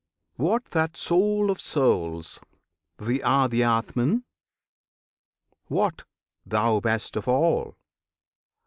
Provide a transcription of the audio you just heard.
What that Soul of Souls, The ADHYATMAN? What, Thou Best of All!